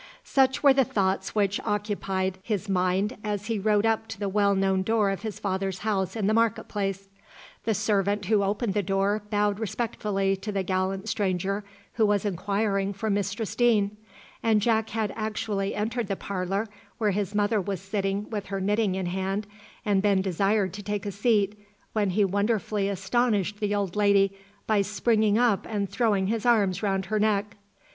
Such were the thoughts which occupied his mind as he rode up to the well known door of his father's house in the market place. The servant who opened the door bowed respectfully to the gallant stranger who was inquiring for Mistress Deane, and Jack had actually entered the parlour, where his mother was sitting with her knitting in hand, and been desired to take a seat, when he wonderfully astonished the old lady by springing up and throwing his arms round her neck.